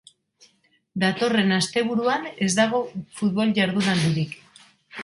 Datorren asteburuan ez dago futbol jardunaldirik.